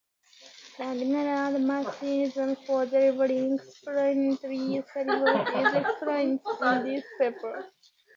The general mechanism for delivering supplementary services is explained in this paper.